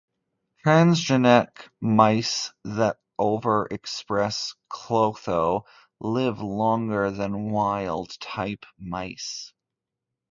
Transgenic mice that overexpress Klotho live longer than wild-type mice.